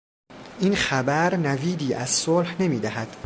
این خبر نویدی از صلح نمیدهد.